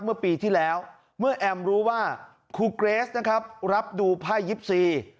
เมื่อปีที่แล้วเมื่อแอมรู้ว่าครูเกรสนะครับรับดูไพ่ยิปซี